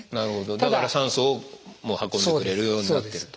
だから酸素をもう運んでくれるようになってると。